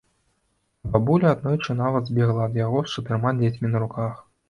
А бабуля аднойчы нават збегла ад яго з чатырма дзецьмі на руках.